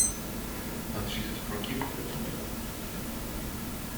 But she had forgiven the pot man.